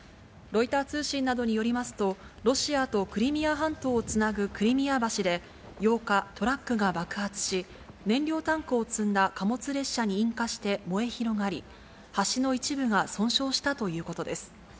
ロイター通信などによりますと、ロシアとクリミア半島をつなぐクリミア橋で８日、トラックが爆発し、燃料タンクを積んだ貨物列車に引火して燃え広がり、橋の一部が損傷したということです。